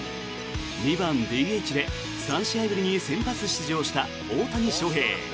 ２番ＤＨで３試合ぶりに先発出場した大谷翔平。